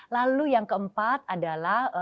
lalu yang keempat adalah